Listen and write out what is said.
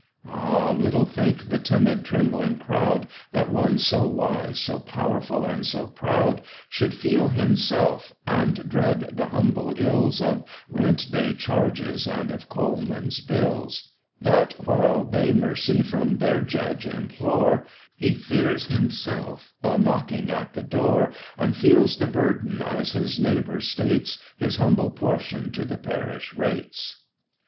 Ah! little think the timid trembling crowd, That one so wise, so powerful, and so proud, Should feel himself, and dread the humble ills Of rent day charges, and of coalman's bills; That while they mercy from their judge implore, He fears himself a knocking at the door; And feels the burthen as his neighbour states His humble portion to the parish rates.